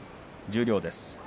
十両です。